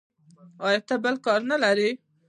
ایا ته بل کار نه لرې.